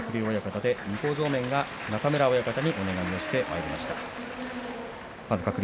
解説は正面が鶴竜親方で向正面が中村親方にお願いをしてまいりました。